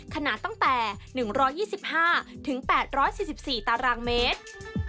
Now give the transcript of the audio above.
ขนาดตั้งแต่๑๒๕๘๔๔ตารางเมตร